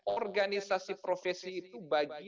organisasi profesi itu bagiannya